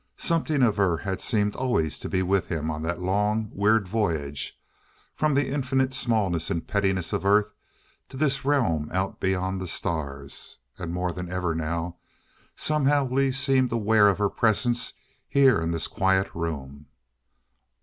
Something of her had seemed always to be with him on that long, weird voyage, from the infinite smallness and pettiness of Earth to this realm out beyond the stars. And more than ever now, somehow Lee seemed aware of her presence here in this quiet room.